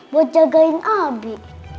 buat jagain abi